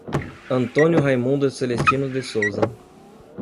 Antônio Raimundo Celestino de Souza